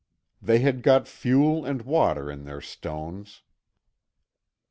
They had got fuel and water ran in the stones.